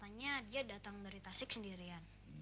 makanya dia datang dari tasik sendirian